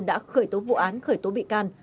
đã khởi tố vụ án khởi tố bị can